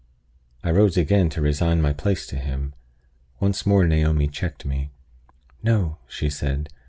I rose again to resign my place to him. Once more Naomi checked me. "No," she said.